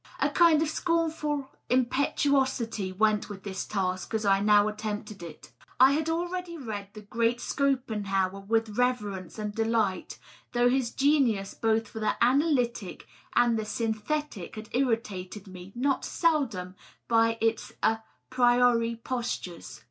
A kind of scornful impetu osity went with this task as I now attempted it. I had already read the great Schopenhauer with reverence and delight, though his genius both for the analytic and the synthetic had irritated me, not seldom, by its a priori postures.